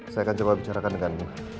saya akan coba bicarakan dengan